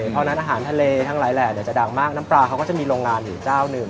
เพราะฉะนั้นอาหารทะเลทั้งหลายแหล่จะดังมากน้ำปลาเขาก็จะมีโรงงานอยู่เจ้าหนึ่ง